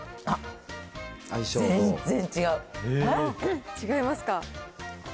あっ、違いますか？